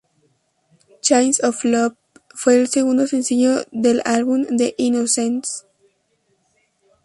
Chains of Love fue el segundo sencillo del álbum The Innocents.